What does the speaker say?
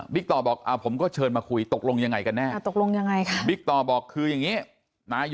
บิ๊กต่อบอกผมก็เชินมาคุยตกลงอย่างไรกันเนี่ยบิ๊กต่อบอกคือยังไง